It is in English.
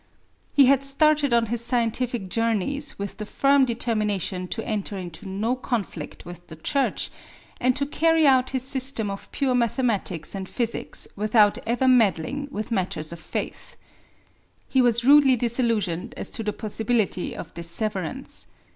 "He had started on his scientific journeys with the firm determination to enter into no conflict with the Church, and to carry out his system of pure mathematics and physics without ever meddling with matters of faith. He was rudely disillusioned as to the possibility of this severance.